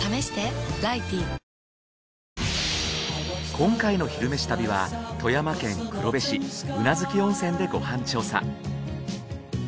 今回の「昼めし旅」は富山県黒部市宇奈月温泉でご飯調査。